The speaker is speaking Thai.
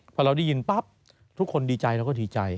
พอเราได้ยินปั๊บทุกคนดีใจเราก็ดีใจ